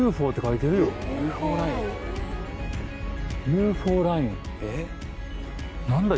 「ＵＦＯライン」何だ？